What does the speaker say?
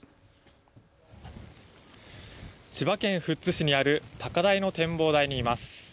千葉県富津市にある高台の展望台にいます。